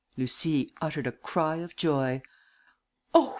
Lucie uttered a cry of joy, "Oh!